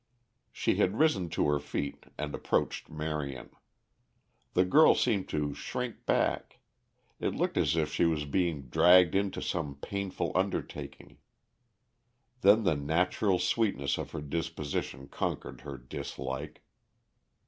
She had risen to her feet and approached Marion. The girl seemed to shrink back; it looked as if she was being dragged into some painful undertaking. Then the natural sweetness of her disposition conquered her dislike.